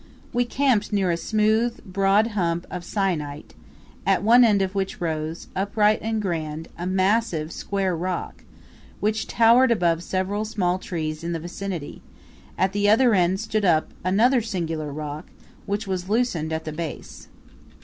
We camped near a smooth, broad hump of syenite, at one end of which rose, upright and grand, a massive square rock, which towered above several small trees in the vicinity; at the other end stood up another singular rock, which was loosened at the base.